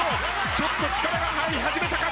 ちょっと力が入り始めたか！？